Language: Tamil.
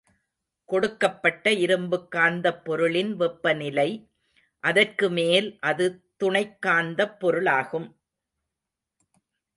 கொடுக்கப்பட்ட இரும்புக் காந்தப் பொருளின் வெப்ப நிலை.அதற்கு மேல் அது துணைக் காந்தப் பொருளாகும்.